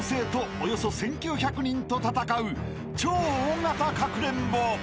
およそ１，９００人と戦う超大型かくれんぼ］